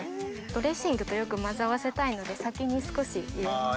ドレッシングとよく混ぜ合わせたいので先に少し入れます。